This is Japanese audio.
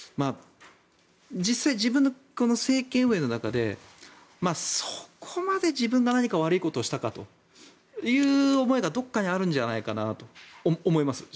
実際、自分の政権運営の中でそこまで自分が何か悪いことをしたかという思いがどこかにあるんじゃないかなと思います。